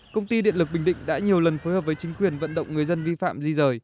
công ty điện lực bình định đã nhiều lần phối hợp với chính quyền vận động người dân vi phạm di rời